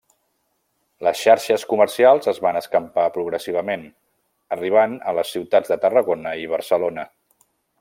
Les xarxes comercials es van escampar progressivament, arribant a les ciutats de Tarragona i Barcelona.